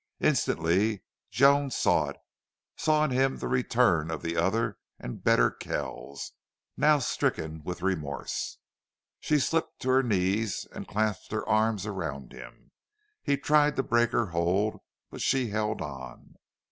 Instantly Joan saw it saw in him the return of the other and better Kells, how stricken with remorse. She slipped to her knees and clasped her arms around him. He tried to break her hold, but she held on.